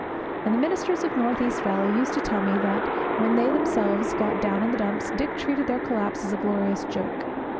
And the ministers of North East Valley used to tell me that when they themselves got down in the dumps, Dick treated their collapse as a glorious joke.